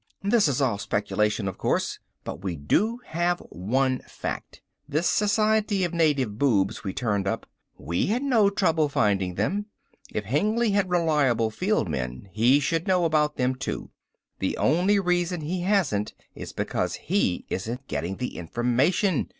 This is all speculation, of course, but we do have one fact this Society of Native Boobs we turned up. We had no trouble finding them. If Hengly had reliable field men, he should know about them, too. The only reason he hasn't is because he isn't getting the information.